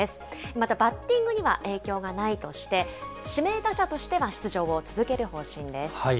またバッティングには影響がないとして、指名打者としては出場を続ける方針です。